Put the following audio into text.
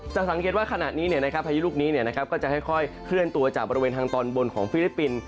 สังเกตว่าขณะนี้พายุลูกนี้ก็จะค่อยเคลื่อนตัวจากบริเวณทางตอนบนของฟิลิปปินส์